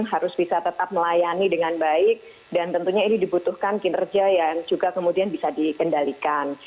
harus bisa tetap melayani dengan baik dan tentunya ini dibutuhkan kinerja yang juga kemudian bisa dikendalikan